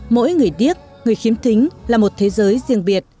mỗi người điếc người khiếm thính là một thế giới riêng biệt